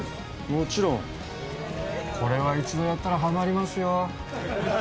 もちろんこれは一度やったらハマりますよ